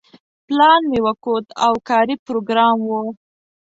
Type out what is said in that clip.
پلان مې وکوت او کاري پروګرام و.